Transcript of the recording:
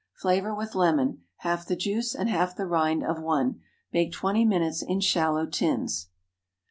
Flavor with lemon—half the juice and half the rind of one. Bake twenty minutes in shallow tins.